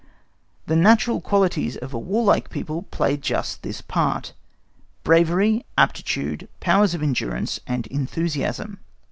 The natural qualities of a warlike people play just this part: bravery, aptitude, powers of endurance and _enthusiasm.